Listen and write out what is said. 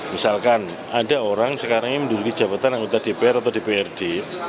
misalkan ada orang sekarang ini menduduki jabatan anggota dpr atau dprd